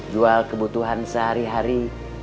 jual kebutuhan sehari hari